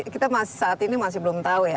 kita saat ini masih belum tahu ya